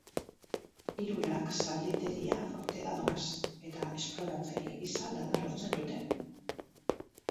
Hirurak zalditeria-fortera doaz eta esploratzaile gisa lana lortzen dute.